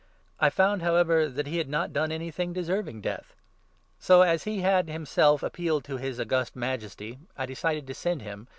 I found, however, that he had not done 25 anything deserving death ; so, as he had himself appealed to his August Majesty, I decided to send him.